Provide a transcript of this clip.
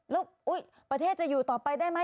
แล้วประเทศจะอยู่ต่อไปได้ไหม